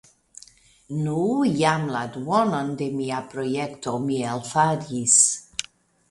Nu, jam la duonon de mia projekto mi elfaris.